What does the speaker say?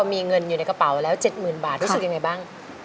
มีเงินอยู่ในกระเป๋าแล้ว๗๐๐๐บาทรู้สึกยังไงบ้าง